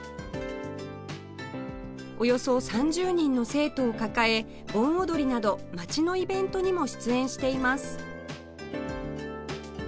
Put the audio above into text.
およそ３０人の生徒を抱え盆踊りなど街のイベントにも出演しています